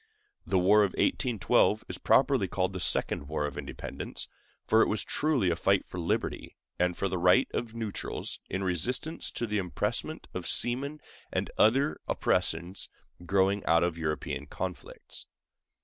The war of 1812 is properly called the Second War of Independence, for it was truly a fight for liberty and for the rights of neutrals, in resistance to the impressment of seamen and other oppressions growing out of European conflicts.